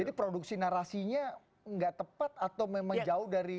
jadi produksi narasinya nggak tepat atau memang jauh dari